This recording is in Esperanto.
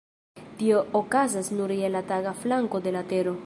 Tio okazas nur je la taga flanko de la Tero.